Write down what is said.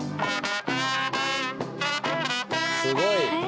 すごい！